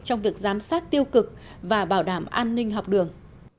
trong việc giám sát tiêu cực và bảo đảm an ninh học đường